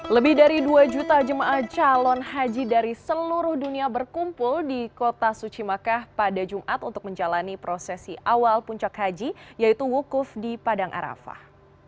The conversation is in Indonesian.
lebih dari dua juta jemaah calon haji dari seluruh dunia berkumpul di kota suci makkah pada jumat untuk menjalani prosesi awal puncak haji yaitu wukuf di padang arafah